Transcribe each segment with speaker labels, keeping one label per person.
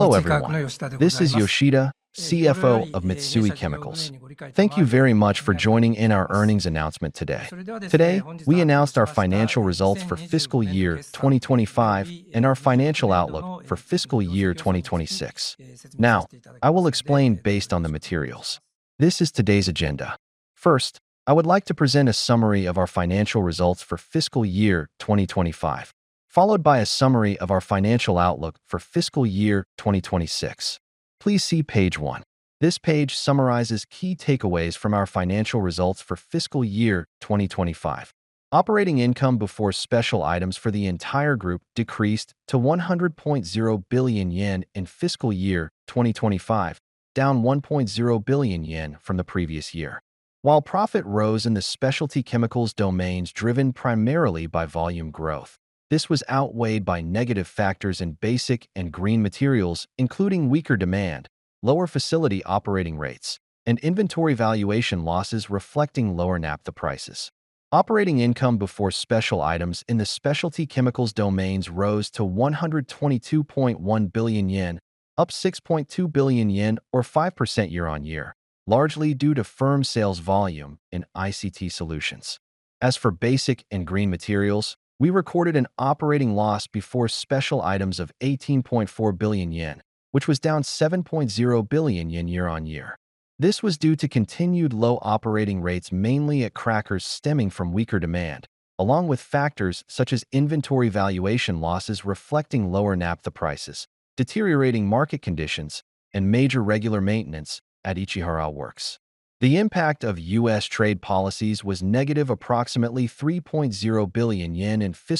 Speaker 1: Hello, everyone. This is Yoshida, CFO of Mitsui Chemicals. Thank you very much for joining in our earnings announcement today. We announced our financial results for fiscal year 2025 and our financial outlook for fiscal year 2026. I will explain based on the materials. This is today's agenda. I would like to present a summary of our financial results for fiscal year 2025, followed by a summary of our financial outlook for fiscal year 2026. Please see page 1. This page summarizes key takeaways from our financial results for fiscal year 2025. Operating income before special items for the entire group decreased to 100.0 billion yen in fiscal year 2025, down 1.0 billion yen from the previous year. While profit rose in the specialty chemicals domains driven primarily by volume growth, this was outweighed by negative factors in Basic & Green Materials, including weaker demand, lower facility operating rates, and inventory valuation losses reflecting lower naphtha prices. Operating income before special items in the specialty chemicals domains rose to 122.1 billion yen, up 6.2 billion yen or 5% year-on-year, largely due to firm sales volume in ICT Solutions. As for Basic & Green Materials, we recorded an operating loss before special items of 18.4 billion yen, which was down 7.0 billion yen year-on-year. This was due to continued low operating rates, mainly at crackers stemming from weaker demand, along with factors such as inventory valuation losses reflecting lower naphtha prices, deteriorating market conditions, and major regular maintenance at Ichihara Works. The impact of U.S. trade policies was negative approximately 3.0 billion yen in FY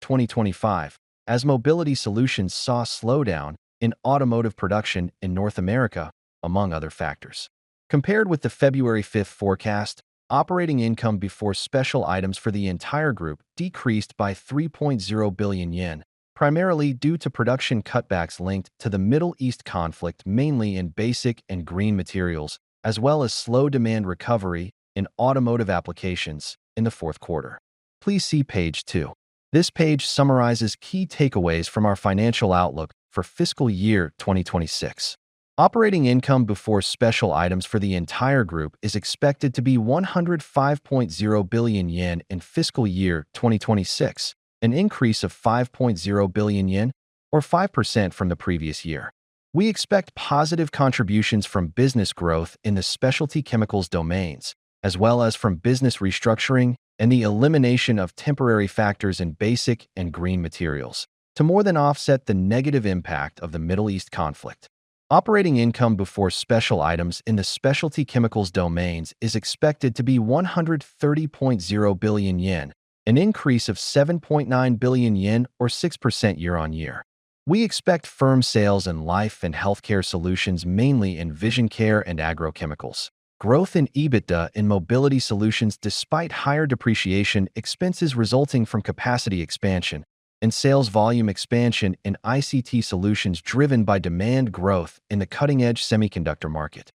Speaker 1: 2025, as Mobility Solutions saw a slowdown in automotive production in North America, among other factors. Compared with the February fifth forecast, operating income before special items for the entire group decreased by 3.0 billion yen, primarily due to production cutbacks linked to the Middle East conflict, mainly in Basic & Green Materials, as well as slow demand recovery in automotive applications in the fourth quarter. Please see page two. This page summarizes key takeaways from our financial outlook for FY 2026. Operating income before special items for the entire group is expected to be 105.0 billion yen in FY 2026, an increase of 5.0 billion yen or 5% from the previous year. We expect positive contributions from business growth in the specialty chemicals domains, as well as from business restructuring and the elimination of temporary factors in Basic & Green Materials to more than offset the negative impact of the Middle East conflict. Operating income before special items in the specialty chemicals domains is expected to be 130.0 billion yen, an increase of 7.9 billion yen or 6% year-on-year. We expect firm sales in Life & Healthcare Solutions, mainly in Vision Care and agrochemicals. Growth in EBITDA in Mobility Solutions despite higher depreciation expenses resulting from capacity expansion and sales volume expansion in ICT Solutions driven by demand growth in the cutting-edge semiconductor market.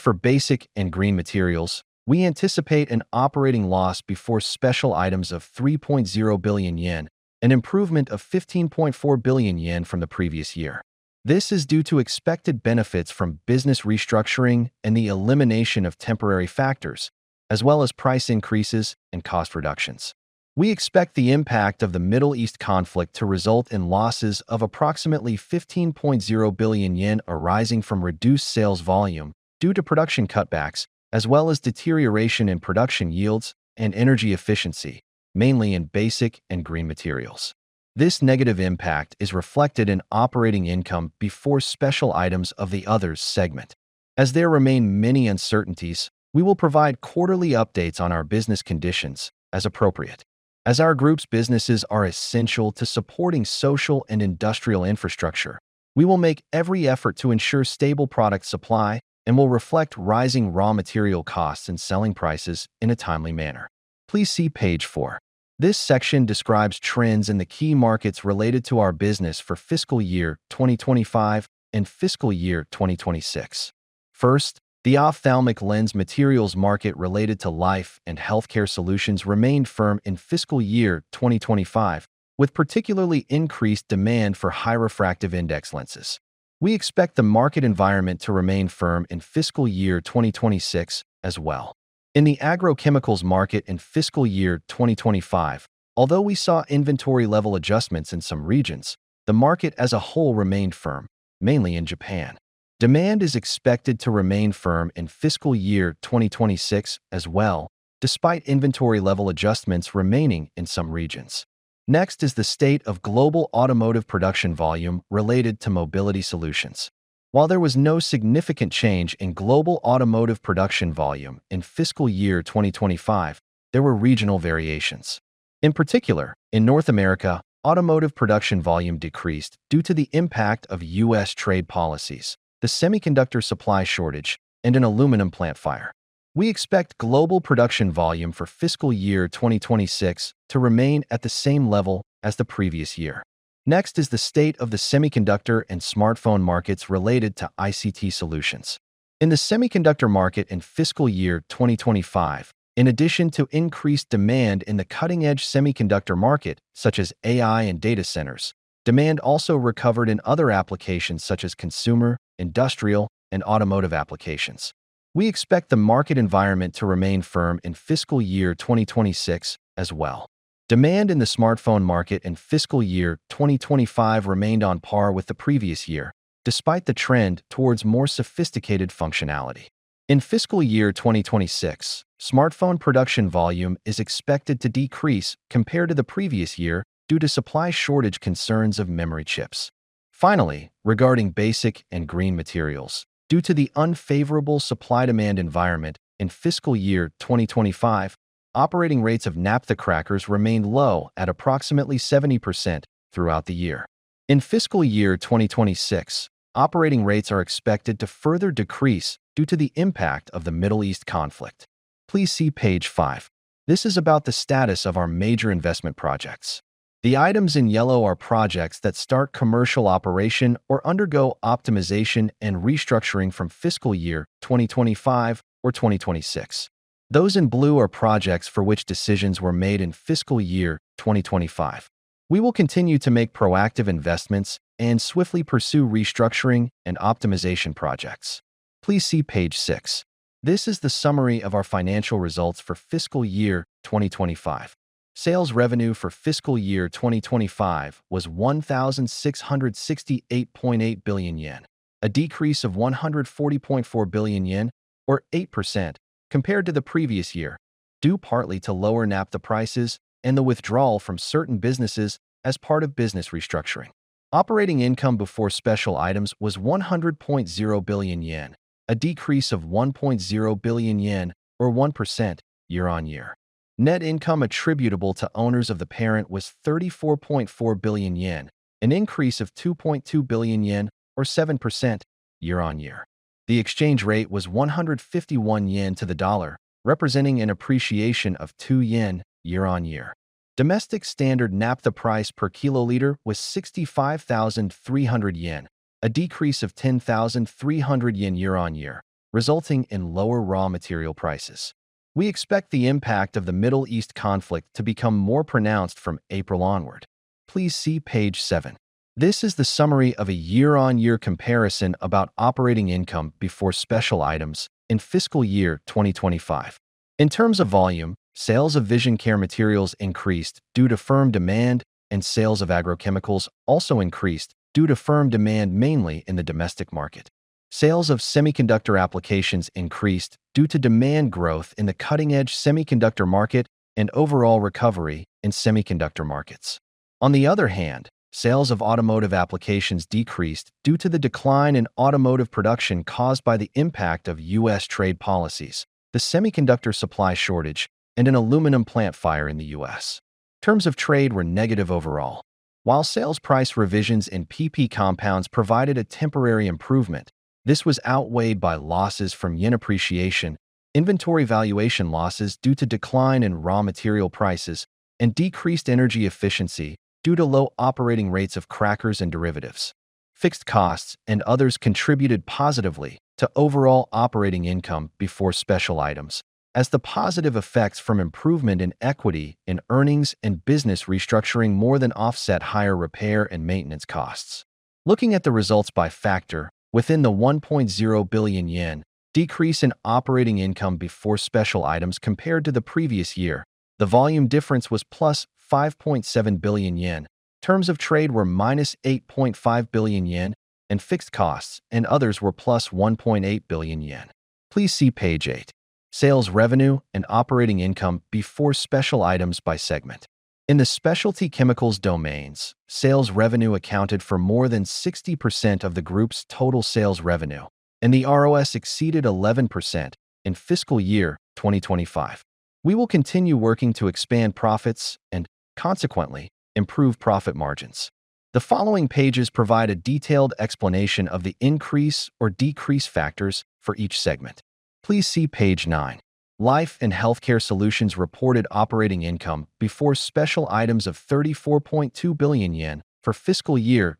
Speaker 1: For Basic & Green Materials, we anticipate an operating loss before special items of 3.0 billion yen, an improvement of 15.4 billion yen from the previous year. This is due to expected benefits from business restructuring and the elimination of temporary factors, as well as price increases and cost reductions. We expect the impact of the Middle East conflict to result in losses of approximately 15.0 billion yen arising from reduced sales volume due to production cutbacks, as well as deterioration in production yields and energy efficiency, mainly in Basic & Green Materials. This negative impact is reflected in operating income before special items of the others segment. There remain many uncertainties, we will provide quarterly updates on our business conditions as appropriate. As our group's businesses are essential to supporting social and industrial infrastructure, we will make every effort to ensure stable product supply and will reflect rising raw material costs and selling prices in a timely manner. Please see page four. This section describes trends in the key markets related to our business for fiscal year 2025 and fiscal year 2026. First, the ophthalmic lens materials market related to Life & Healthcare Solutions remained firm in fiscal year 2025, with particularly increased demand for high refractive index lenses. We expect the market environment to remain firm in fiscal year 2026 as well. In the agrochemicals market in fiscal year 2025, although we saw inventory level adjustments in some regions, the market as a whole remained firm, mainly in Japan. Demand is expected to remain firm in fiscal year 2026 as well, despite inventory level adjustments remaining in some regions. Next is the state of global automotive production volume related to Mobility Solutions. While there was no significant change in global automotive production volume in fiscal year 2025, there were regional variations. In particular, in North America, automotive production volume decreased due to the impact of U.S. trade policies, the semiconductor supply shortage, and an aluminum plant fire. We expect global production volume for fiscal year 2026 to remain at the same level as the previous year. Next is the state of the semiconductor and smartphone markets related to ICT Solutions. In the semiconductor market in fiscal year 2025, in addition to increased demand in the cutting-edge semiconductor market, such as AI and data centers, demand also recovered in other applications such as consumer, industrial, and automotive applications. We expect the market environment to remain firm in fiscal year 2026 as well. Demand in the smartphone market in fiscal year 2025 remained on par with the previous year, despite the trend towards more sophisticated functionality. In fiscal year 2026, smartphone production volume is expected to decrease compared to the previous year due to supply shortage concerns of memory chips. Finally, regarding Basic & Green Materials, due to the unfavorable supply-demand environment in fiscal year 2025, operating rates of naphtha crackers remained low at approximately 70% throughout the year. In fiscal year 2026, operating rates are expected to further decrease due to the impact of the Middle East conflict. Please see page five. This is about the status of our major investment projects. The items in yellow are projects that start commercial operation or undergo optimization and restructuring from fiscal year 2025 or 2026. Those in blue are projects for which decisions were made in fiscal year 2025. We will continue to make proactive investments and swiftly pursue restructuring and optimization projects. Please see page six. This is the summary of our financial results for fiscal year 2025. Sales revenue for fiscal year 2025 was 1,668.8 billion yen, a decrease of 140.4 billion yen, or 8%, compared to the previous year, due partly to lower naphtha prices and the withdrawal from certain businesses as part of business restructuring. Operating income before special items was 100.0 billion yen, a decrease of 1.0 billion yen, or 1%, year-on-year. Net income attributable to owners of the parent was 34.4 billion yen, an increase of 2.2 billion yen, or 7%, year-on-year. The exchange rate was 151 yen to the dollar, representing an appreciation of 2 yen year-on-year. Domestic standard naphtha price per kiloliter was 65,300 yen, a decrease of 10,300 yen year-on-year, resulting in lower raw material prices. We expect the impact of the Middle East conflict to become more pronounced from April onward. Please see page seven. This is the summary of a year-on-year comparison about operating income before special items in fiscal year 2025. In terms of volume, sales of Vision Care materials increased due to firm demand, and sales of agrochemicals also increased due to firm demand, mainly in the domestic market. Sales of semiconductor applications increased due to demand growth in the cutting-edge semiconductor market and overall recovery in semiconductor markets. On the other hand, sales of automotive applications decreased due to the decline in automotive production caused by the impact of U.S. trade policies, the semiconductor supply shortage, and an aluminum plant fire in the U.S. Terms of trade were negative overall. While sales price revisions in PP compounds provided a temporary improvement, this was outweighed by losses from yen appreciation, inventory valuation losses due to decline in raw material prices, and decreased energy efficiency due to low operating rates of crackers and derivatives. Fixed costs and others contributed positively to overall operating income before special items, as the positive effects from improvement in equity in earnings and business restructuring more than offset higher repair and maintenance costs. Looking at the results by factor within the 1.0 billion yen decrease in operating income before special items compared to the previous year, the volume difference was +5.7 billion yen, terms of trade were -8.5 billion yen, and fixed costs and others were +1.8 billion yen. Please see page eight, sales revenue and operating income before special items by segment. In the specialty chemicals domains, sales revenue accounted for more than 60% of the group's total sales revenue, and the ROS exceeded 11% in FY 2025. We will continue working to expand profits and, consequently, improve profit margins. The following pages provide a detailed explanation of the increase or decrease factors for each segment. Please see page nine. Life & Healthcare Solutions reported operating income before special items of 34.2 billion yen for FY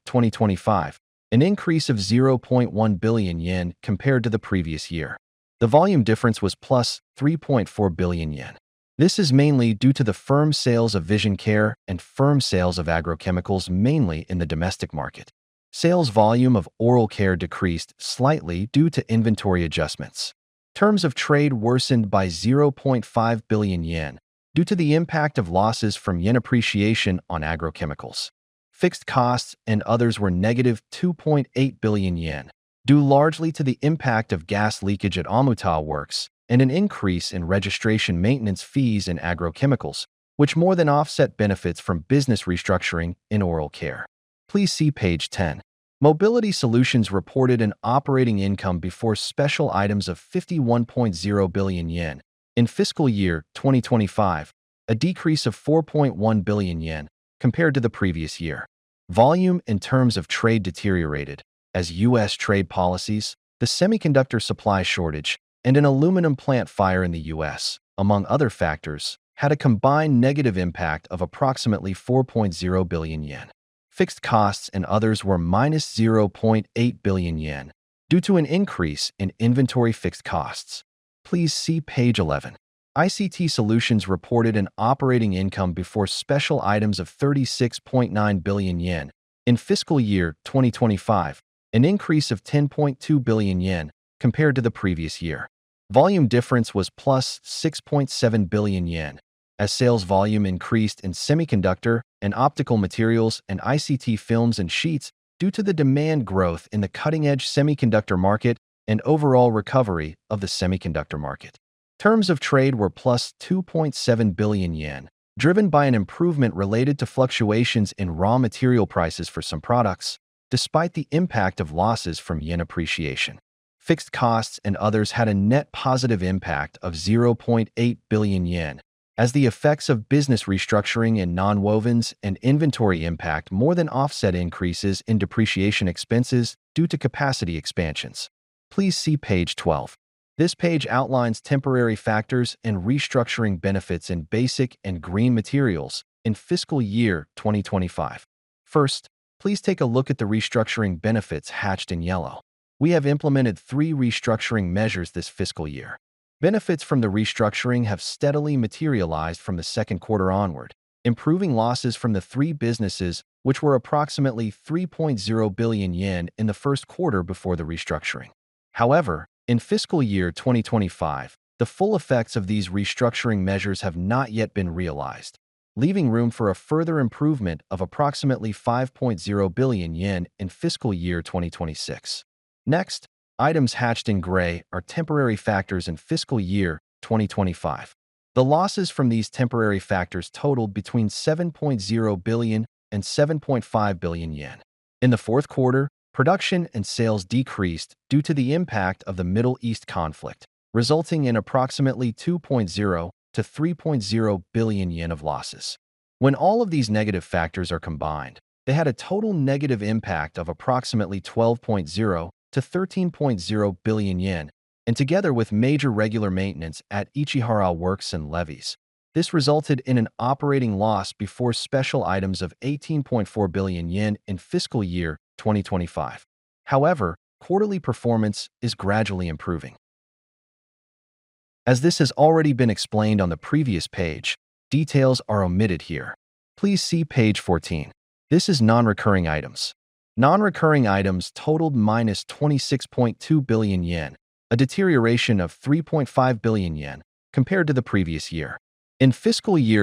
Speaker 1: 2025, an increase of 0.1 billion yen compared to the previous year. The volume difference was +3.4 billion yen. This is mainly due to the firm sales of Vision Care and firm sales of agrochemicals, mainly in the domestic market. Sales volume of oral care decreased slightly due to inventory adjustments. Terms of trade worsened by 0.5 billion yen due to the impact of losses from yen appreciation on agrochemicals. Fixed costs and others were -2.8 billion yen, due largely to the impact of gas leakage at Omuta Works and an increase in registration maintenance fees in agrochemicals, which more than offset benefits from business restructuring in oral care. Please see page 10. Mobility Solutions reported an operating income before special items of 51.0 billion yen in FY 2025, a decrease of 4.1 billion yen compared to the previous year. Volume and terms of trade deteriorated as U.S. trade policies, the semiconductor supply shortage, and an aluminum plant fire in the U.S., among other factors, had a combined negative impact of approximately 4.0 billion yen. Fixed costs and others were -0.8 billion yen due to an increase in inventory fixed costs. Please see page 11. ICT Solutions reported an operating income before special items of 36.9 billion yen in FY 2025, an increase of 10.2 billion yen compared to the previous year. Volume difference was +6.7 billion yen as sales volume increased in semiconductor and optical materials and ICT films and sheets due to the demand growth in the cutting-edge semiconductor market and overall recovery of the semiconductor market. Terms of trade were +2.7 billion yen, driven by an improvement related to fluctuations in raw material prices for some products, despite the impact of losses from JPY appreciation. Fixed costs and others had a net positive impact of 0.8 billion yen as the effects of business restructuring in nonwovens and inventory impact more than offset increases in depreciation expenses due to capacity expansions. Please see page 12. This page outlines temporary factors and restructuring benefits in Basic & Green Materials in fiscal year 2025. First, please take a look at the restructuring benefits hatched in yellow. We have implemented three restructuring measures this fiscal year. Benefits from the restructuring have steadily materialized from the second quarter onward, improving losses from the three businesses, which were approximately 3.0 billion yen in the first quarter before the restructuring. In fiscal year 2025, the full effects of these restructuring measures have not yet been realized, leaving room for a further improvement of approximately 5.0 billion yen in fiscal year 2026. Items hatched in gray are temporary factors in fiscal year 2025. The losses from these temporary factors totaled between 7.0 billion and 7.5 billion yen. In the fourth quarter, production and sales decreased due to the impact of the Middle East conflict, resulting in approximately 2.0 billion-3.0 billion yen of losses. When all of these negative factors are combined, they had a total negative impact of approximately 12.0 billion-13.0 billion yen, and together with major regular maintenance at Ichihara Works and levies, this resulted in an operating loss before special items of 18.4 billion yen in FY 2025. Quarterly performance is gradually improving. As this has already been explained on the previous page, details are omitted here. Please see page 14. This is non-recurring items. Non-recurring items totaled -26.2 billion yen, a deterioration of 3.5 billion yen compared to the previous year. In FY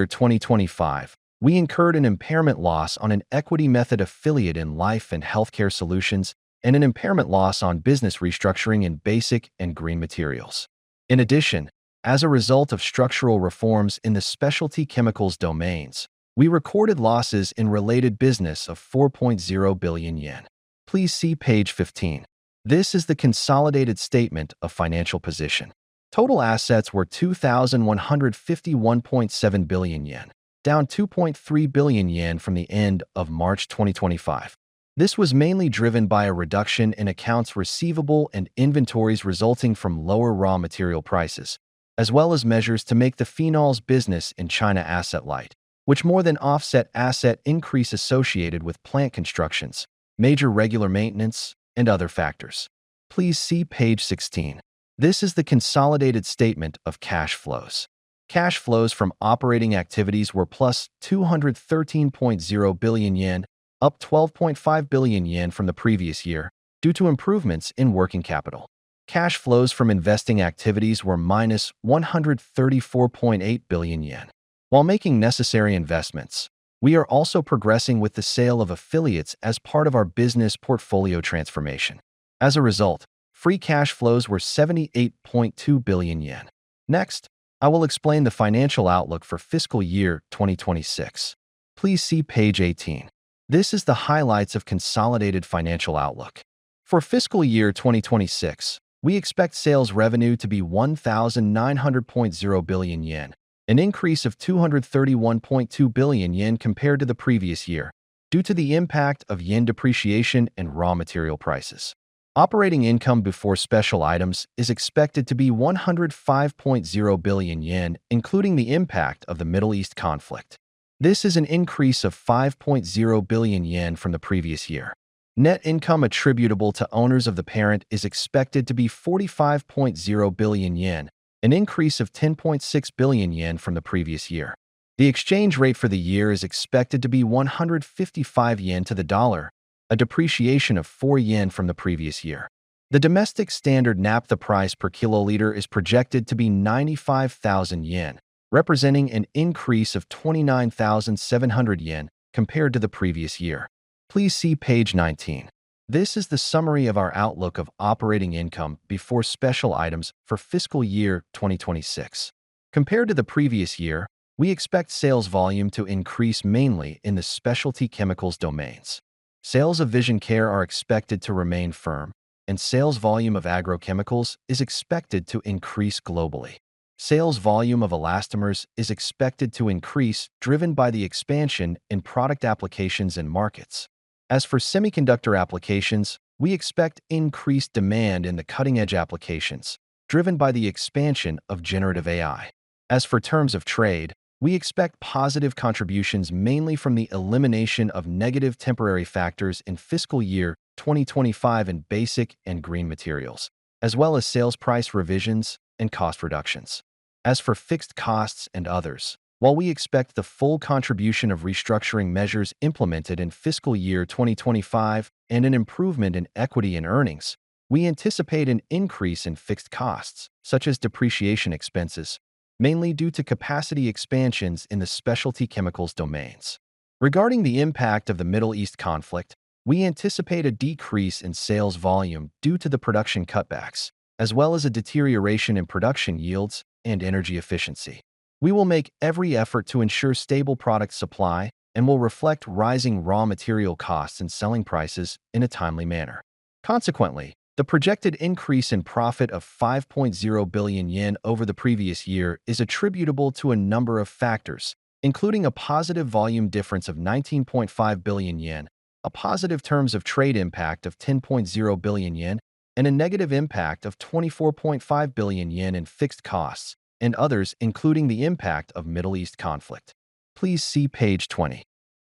Speaker 1: 2025, we incurred an impairment loss on an equity method affiliate in Life & Healthcare Solutions and an impairment loss on business restructuring in Basic & Green Materials. In addition, as a result of structural reforms in the specialty chemicals domains, we recorded losses in related business of 4.0 billion yen. Please see page 15. This is the consolidated statement of financial position. Total assets were 2,151.7 billion yen, down 2.3 billion yen from the end of March 2025. This was mainly driven by a reduction in accounts receivable and inventories resulting from lower raw material prices, as well as measures to make the phenols business in China asset light, which more than offset asset increase associated with plant constructions, major regular maintenance, and other factors. Please see page 16. This is the consolidated statement of cash flows. Cash flows from operating activities were +213.0 billion yen, up 12.5 billion yen from the previous year due to improvements in working capital. Cash flows from investing activities were -134.8 billion yen. While making necessary investments, we are also progressing with the sale of affiliates as part of our business portfolio transformation. As a result, free cash flows were 78.2 billion yen. Next, I will explain the financial outlook for fiscal year 2026. Please see page 18. This is the highlights of consolidated financial outlook. For fiscal year 2026, we expect sales revenue to be 1,900.0 billion yen, an increase of 231.2 billion yen compared to the previous year due to the impact of yen depreciation and raw material prices. Operating income before special items is expected to be 105.0 billion yen, including the impact of the Middle East conflict. This is an increase of 5.0 billion yen from the previous year. Net income attributable to owners of the parent is expected to be 45.0 billion yen, an increase of 10.6 billion yen from the previous year. The exchange rate for the year is expected to be 155 yen to the USD, a depreciation of 4 yen from the previous year. The domestic standard naphtha price per kiloliter is projected to be 95,000 yen, representing an increase of 29,700 yen compared to the previous year. Please see page 19. This is the summary of our outlook of operating income before special items for fiscal year 2026. Compared to the previous year, we expect sales volume to increase mainly in the specialty chemicals domains. Sales of Vision Care are expected to remain firm, and sales volume of agrochemicals is expected to increase globally. Sales volume of elastomers is expected to increase, driven by the expansion in product applications and markets. As for semiconductor applications, we expect increased demand in the cutting-edge applications, driven by the expansion of generative AI. As for terms of trade, we expect positive contributions mainly from the elimination of negative temporary factors in fiscal year 2025 in Basic & Green Materials, as well as sales price revisions and cost reductions. As for fixed costs and others, while we expect the full contribution of restructuring measures implemented in fiscal year 2025 and an improvement in equity and earnings, we anticipate an increase in fixed costs such as depreciation expenses, mainly due to capacity expansions in the specialty chemicals domains. Regarding the impact of the Middle East conflict, we anticipate a decrease in sales volume due to the production cutbacks, as well as a deterioration in production yields and energy efficiency. We will make every effort to ensure stable product supply and will reflect rising raw material costs and selling prices in a timely manner. Consequently, the projected increase in profit of 5.0 billion yen over the previous year is attributable to a number of factors, including a positive volume difference of 19.5 billion yen, a positive terms of trade impact of 10.0 billion yen, and a negative impact of 24.5 billion yen in fixed costs, and others, including the impact of Middle East conflict. Please see page 20.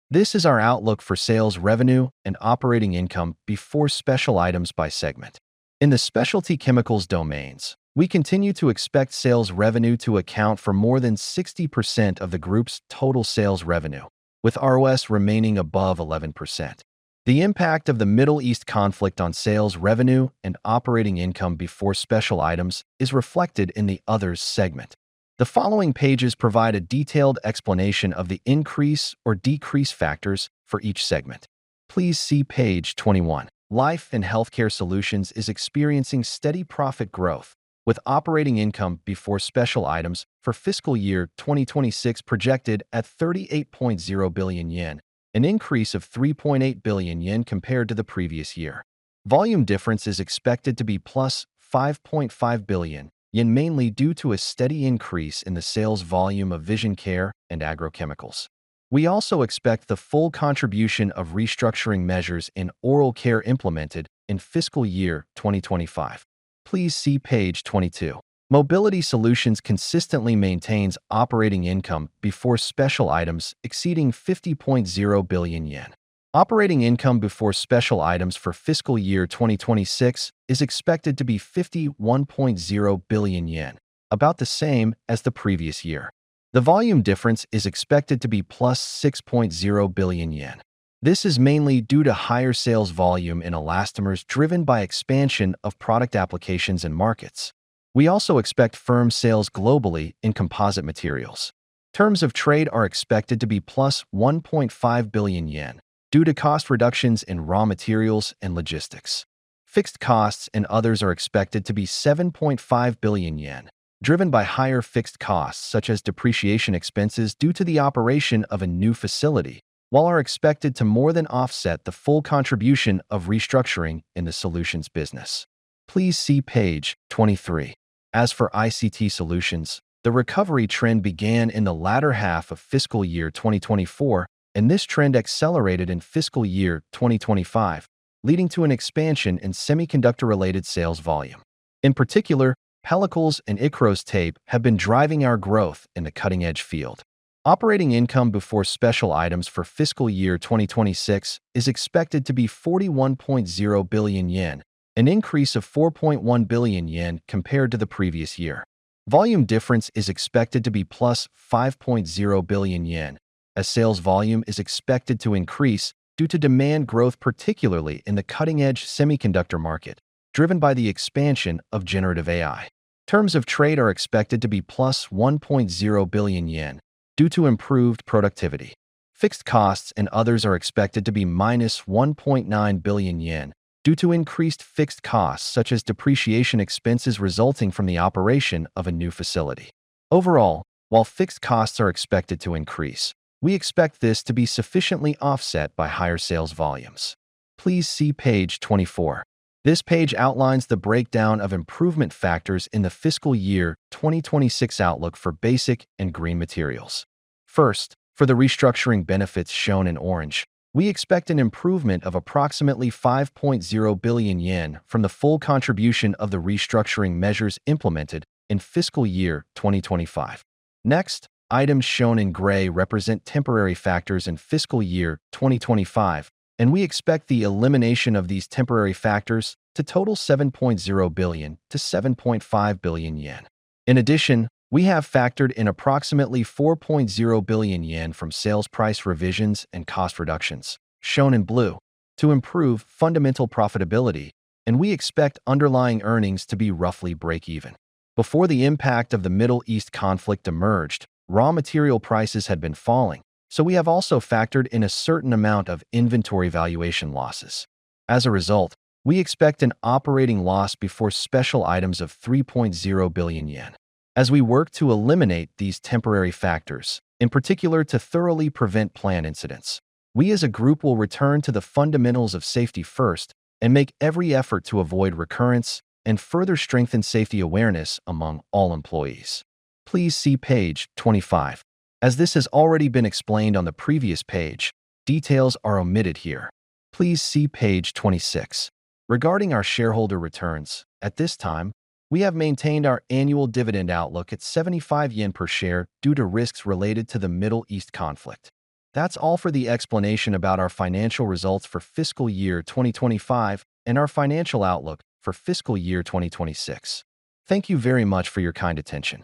Speaker 1: This is our outlook for sales revenue and operating income before special items by segment. In the specialty chemicals domains, we continue to expect sales revenue to account for more than 60% of the group's total sales revenue, with ROS remaining above 11%. The impact of the Middle East conflict on sales revenue and operating income before special items is reflected in the others segment. The following pages provide a detailed explanation of the increase or decrease factors for each segment. Please see page 21. Life & Healthcare Solutions is experiencing steady profit growth, with operating income before special items for fiscal year 2026 projected at 38.0 billion yen, an increase of 3.8 billion yen compared to the previous year. Volume difference is expected to be plus 5.5 billion yen, mainly due to a steady increase in the sales volume of Vision Care and agrochemicals. We also expect the full contribution of restructuring measures in oral care implemented in fiscal year 2025. Please see page 22. Mobility Solutions consistently maintains operating income before special items exceeding 50.0 billion yen. Operating income before special items for fiscal year 2026 is expected to be 51.0 billion yen, about the same as the previous year. The volume difference is expected to be +6.0 billion yen. This is mainly due to higher sales volume in elastomers driven by expansion of product applications and markets. We also expect firm sales globally in composite materials. Terms of trade are expected to be +1.5 billion yen due to cost reductions in raw materials and logistics. Fixed costs and others are expected to be 7.5 billion yen, driven by higher fixed costs such as depreciation expenses due to the operation of a new facility, while are expected to more than offset the full contribution of restructuring in the solutions business. Please see page 23. As for ICT Solutions, the recovery trend began in the latter half of fiscal year 2024, and this trend accelerated in fiscal year 2025, leading to an expansion in semiconductor-related sales volume. In particular, pellicles and ICROS Tape have been driving our growth in the cutting-edge field. Operating income before special items for fiscal year 2026 is expected to be 41.0 billion yen, an increase of 4.1 billion yen compared to the previous year. Volume difference is expected to be +5.0 billion yen, as sales volume is expected to increase due to demand growth, particularly in the cutting-edge semiconductor market, driven by the expansion of generative AI. Terms of trade are expected to be +1.0 billion yen due to improved productivity. Fixed costs and others are expected to be -1.9 billion yen due to increased fixed costs such as depreciation expenses resulting from the operation of a new facility. Overall, while fixed costs are expected to increase, we expect this to be sufficiently offset by higher sales volumes. Please see page 24. This page outlines the breakdown of improvement factors in the fiscal year 2026 outlook for Basic & Green Materials. First, for the restructuring benefits shown in orange, we expect an improvement of approximately 5.0 billion yen from the full contribution of the restructuring measures implemented in fiscal year 2025. Next, items shown in gray represent temporary factors in fiscal year 2025, and we expect the elimination of these temporary factors to total 7.0 billion-7.5 billion yen. In addition, we have factored in approximately 4.0 billion yen from sales price revisions and cost reductions, shown in blue, to improve fundamental profitability, and we expect underlying earnings to be roughly breakeven. Before the impact of the Middle East conflict emerged, raw material prices had been falling, so we have also factored in a certain amount of inventory valuation losses. As a result, we expect an operating loss before special items of 3.0 billion yen. As we work to eliminate these temporary factors, in particular to thoroughly prevent plant incidents, we as a group will return to the fundamentals of safety first and make every effort to avoid recurrence and further strengthen safety awareness among all employees. Please see page 25. As this has already been explained on the previous page, details are omitted here. Please see page 26. Regarding our shareholder returns, at this time, we have maintained our annual dividend outlook at 75 yen per share due to risks related to the Middle East conflict. That's all for the explanation about our financial results for fiscal year 2025 and our financial outlook for fiscal year 2026. Thank you very much for your kind attention.